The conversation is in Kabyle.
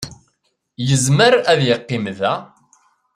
Yezmer ad yeqqim da.